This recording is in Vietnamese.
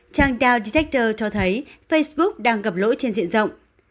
trang dow detector cho thấy facebook đang gặp lỗi trên diện rộng